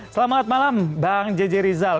selamat malam bang jj rizal